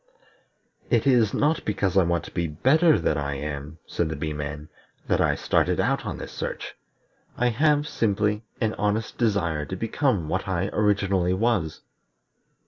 "It is not because I want to be better than I am," said the Bee man, "that I started out on this search. I have simply an honest desire to become what I originally was."